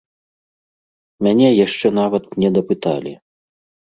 Мяне яшчэ нават не дапыталі.